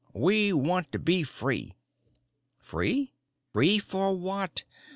_ "We want to be free." _Free? Free for what?